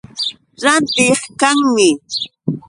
Rantiq kanmi.